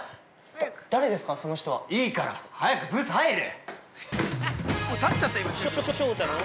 だ、誰ですか、その人は？◆いいから！早くブースに入れ！